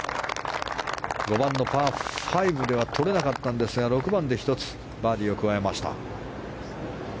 ５番のパー５ではとれなかったんですが６番で１つバーディーを加えました。